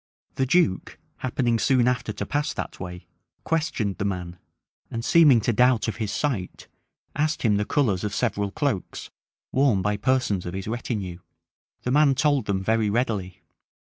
The duke, happening soon after to pass that way, questioned the man, and seeming to doubt of his sight, asked him the colors of several cloaks, worn by persons of his retinue. The man told them very readily.